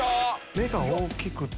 目が大きくて。